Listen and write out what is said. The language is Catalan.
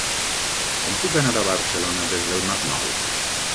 Com puc anar a Barcelona des del Masnou?